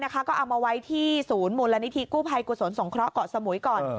ก็เอามาไว้ที่ศูนย์มูลนิธิกู้ภัยกุศลสงเคราะห์สมุยก่อน